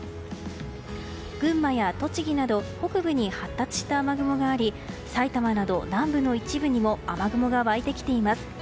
群馬や栃木など北部に発達した雨雲があり埼玉など南部の一部にも雨雲が湧いてきています。